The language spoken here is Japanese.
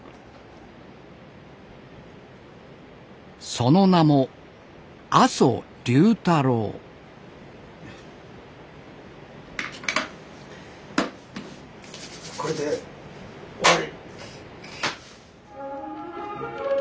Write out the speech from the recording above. その名もこれで終わり！